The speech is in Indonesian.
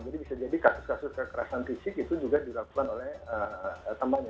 jadi bisa jadi kasus kasus kekerasan fisik itu juga dirakukan oleh temannya